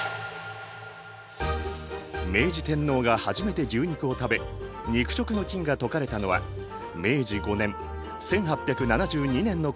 明治天皇が初めて牛肉を食べ肉食の禁が解かれたのは明治５年１８７２年のことである。